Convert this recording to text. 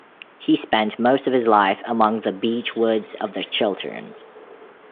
He spent most of his life among the beechwoods of the Chilterns.